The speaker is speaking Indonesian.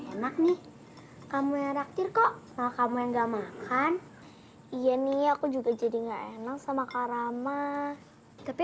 enak nih kamu yang raktir kok kamu enggak makan iya nih aku juga jadi enak sama karama tapi